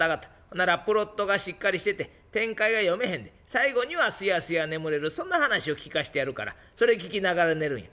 ならプロットがしっかりしてて展開が読めへんで最後にはスヤスヤ眠れるそんな話を聞かしてやるからそれ聞きながら寝るんや。